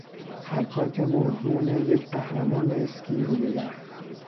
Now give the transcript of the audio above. حرکات موزون یک قهرمان اسکی روی یخ